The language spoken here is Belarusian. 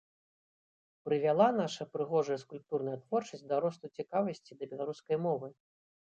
Прывяла наша прыгожая скульптурная творчасць да росту цікавасці да беларускай мовы?